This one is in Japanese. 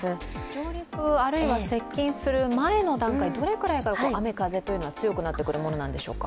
上陸あるいは接近する前の段階、どれくらいから雨・風というのは強くなるものでしょうか？